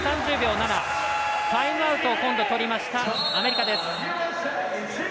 タイムアウトを取りましたアメリカです。